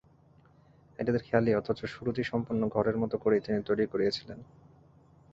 এটি তাঁর খেয়ালি অথচ সুরুচিসম্পন্ন ঘরের মতো করেই তিনি তৈরি করিয়েছিলেন।